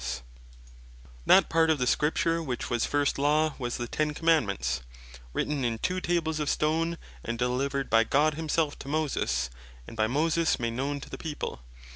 Of The Ten Commandements That part of the Scripture, which was first Law, was the Ten Commandements, written in two Tables of Stone, and delivered by God himselfe to Moses; and by Moses made known to the people.